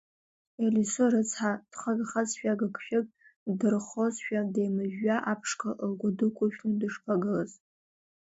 Елисо рыцҳа, дхагахазшәа, агыгшәаг ддырххозшәа деимыжәжәа, аԥшқа лгәы дықәыршәны дышԥагылаз!